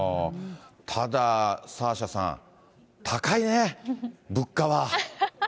ただ、サーシャさん、高いね、物価は。